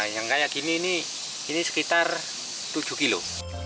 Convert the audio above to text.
yang kayak gini ini sekitar tujuh kilo